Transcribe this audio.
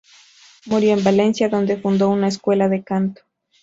Murió en Valencia donde fundó una escuela de canto.